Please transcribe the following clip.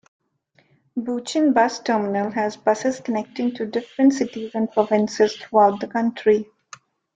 Bucheon Bus Terminal has buses connecting to different cities and provinces throughout the country.